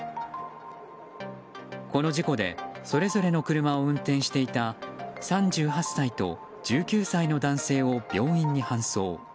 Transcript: この事故でそれぞれの車を運転していた３８歳と１９歳の男性を病院に搬送。